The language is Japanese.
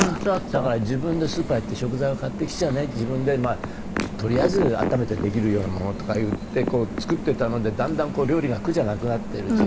だから自分でスーパーへ行って食材を買ってきちゃあね自分でとりあえず温めてできるようなものとかいって作っていたのでだんだん料理が苦じゃなくなってる。